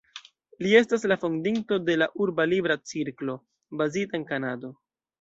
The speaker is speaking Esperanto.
Li estas la fondinto de la Urba Libra Cirklo, bazita en Kanado.